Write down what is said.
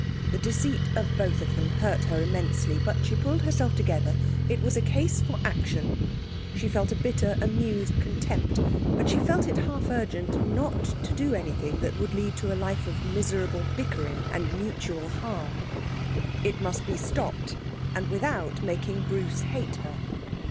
The deceit of both of them hurt her immensely. But she pulled herself together. It was a case for action. She felt a bitter, amused contempt, but she felt it half urgent not to do anything that would lead to a life of miserable bickering and mutual harm. It must be stopped. And without making Bruce hate her.